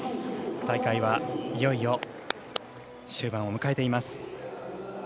大会はいよいよ終盤を迎えています。